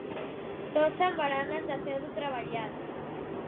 Tots amb baranes de ferro treballat.